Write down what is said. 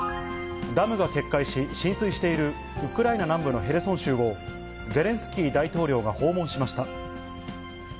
ダムが決壊し浸水しているウクライナ南部のヘルソン州を、ゼレンスキー大統領が訪問しました。